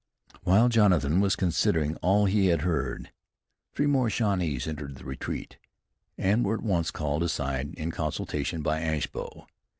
While Jonathan was considering all he had heard, three more Shawnees entered the retreat, and were at once called aside in consultation by Ashbow.